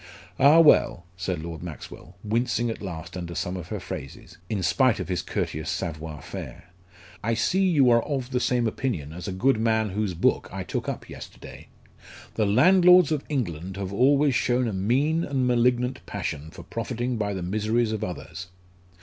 "Ah, well," said Lord Maxwell, wincing at last under some of her phrases, in spite of his courteous savoir faire, "I see you are of the same opinion as a good man whose book I took up yesterday: 'The landlords of England have always shown a mean and malignant passion for profiting by the miseries of others?'